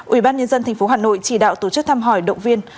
ủy ban nhân dân tp hà nội chỉ đạo tổ chức thăm hỏi động viên